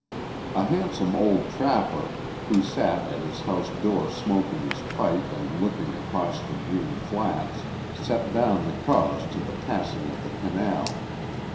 A handsome old trapper, who sat at his house door smoking his pipe and looking across the green flats, set down the cause to the passing of the canal.